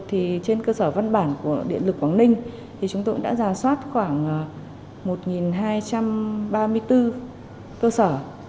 thì trên cơ sở văn bản của điện lực quảng ninh thì chúng tôi đã giả soát khoảng một hai trăm ba mươi bốn cơ sở